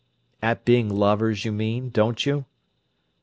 "At being lovers, you mean, don't you?"